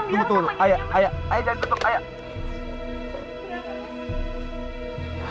tunggu tunggu ayah ayah jangan ketuk ayah